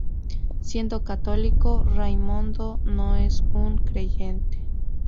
Siendo católico, Raimondo "no es un creyente.